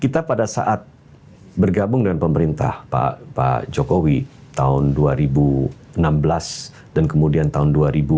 kita pada saat bergabung dengan pemerintah pak jokowi tahun dua ribu enam belas dan kemudian tahun dua ribu empat belas